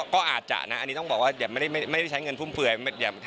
ก็อาจจะนะอันนี้ต้องบอกว่าไม่ได้ใช้เงินฟุ่มเฟือย